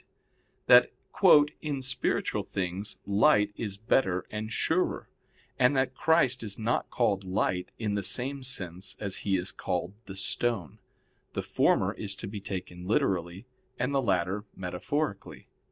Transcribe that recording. iv, 28) that "in spiritual things light is better and surer: and that Christ is not called Light in the same sense as He is called the Stone; the former is to be taken literally, and the latter metaphorically."